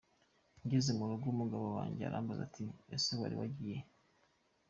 Ngeze mu rugo umugabo wanjye arambaza ati : “Ese wari wagiye he ?